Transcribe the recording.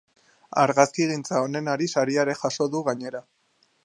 Argazkigintza onenari saria ere jaso du, gainera.